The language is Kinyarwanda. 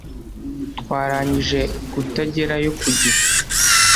Twarangije kutagerayo ku gihe